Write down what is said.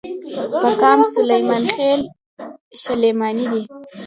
پۀ قام سليمان خيل، شلمانے دے ۔